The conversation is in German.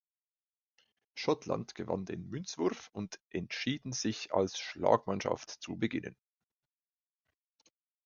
Schottland gewann den Münzwurf und entschieden sich als Schlagmannschaft zu beginnen.